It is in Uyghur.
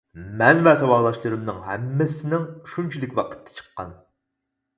مەن ۋە ساۋاقداشلىرىمنىڭ ھەممىسىنىڭ شۇنچىلىك ۋاقىتتا چىققان.